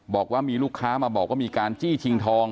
บอกว่ามีลูกค้ามาบอกว่ามีการจี้ชิงทอง